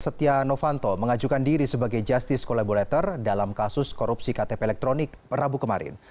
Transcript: setia novanto mengajukan diri sebagai justice collaborator dalam kasus korupsi ktp elektronik rabu kemarin